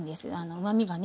うまみがね